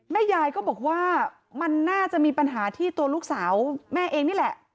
ยายก็บอกว่ามันน่าจะมีปัญหาที่ตัวลูกสาวแม่เองนี่แหละ